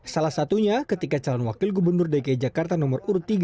salah satunya ketika calon wakil gubernur dki jakarta nomor urut tiga